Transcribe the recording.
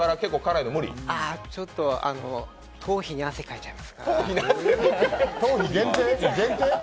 ちょっと、頭皮に汗かいちゃいますから。